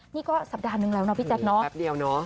นี่ก็สัปดาห์นึงแล้วเนาะพี่แจ๊คเนอะแป๊บเดียวเนาะ